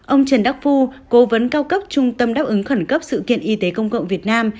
ông trần đắc phu cố vấn cao cấp trung tâm đáp ứng khẩn cấp sự kiện y tế công cộng việt nam